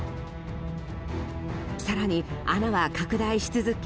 更に穴は拡大し続け